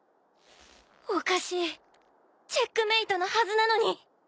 おかしいチェックメイトのはずなのに。